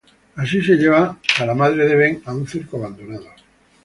Así se lleva a la madre de Ben a un circo abandonado.